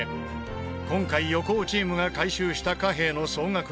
今回横尾チームが回収した貨幣の総額は。